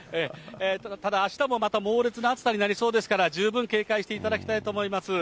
ただ、あしたもまた猛烈な暑さになりそうですから、十分警戒していただきたいと思います。